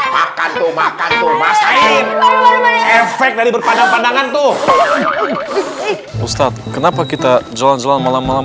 maka tuh efek dari berpandang pandangan tuh ustadz kenapa kita jalan jalan malam malam